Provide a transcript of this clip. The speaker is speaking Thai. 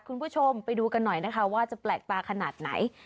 คุณผู้ชมไปดูกันหน่อยนะคะว่าจะแปลกตาขนาดไหน